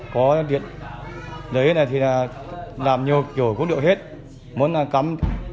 có điện đấy thì làm nhiều kiểu cũng được hết muốn cắm